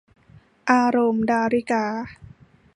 อารมณ์ - ดาริกา